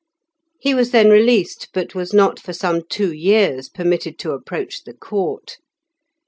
He was then released, but was not for some two years permitted to approach the Court.